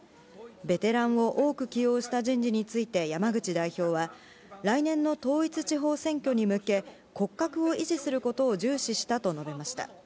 ベテランを多く起用した人事について山口代表は、来年の統一地方選挙に向け、骨格を維持することを重視したと述べました。